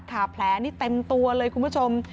แผลนี่เต็มตัวเลยคุณผู้ชม